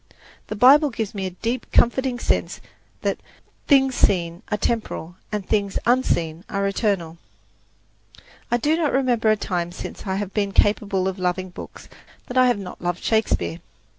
The Bible gives me a deep, comforting sense that "things seen are temporal, and things unseen are eternal." I do not remember a time since I have been capable of loving books that I have not loved Shakespeare.